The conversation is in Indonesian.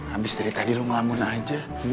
abis dari tadi lu ngelambun aja